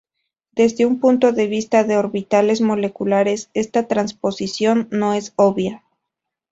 Desde un punto de vista de orbitales moleculares esta transposición no es obvia.